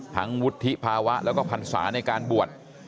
ทั้งวุฒิภาวะแล้วก็พันธศาสตร์ในการบวช